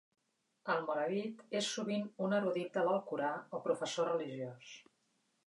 El morabit és sovint un erudit de l'Alcorà, o professor religiós.